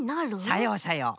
さようさよう。